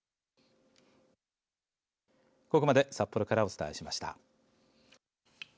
ここまで札幌からお伝えしました。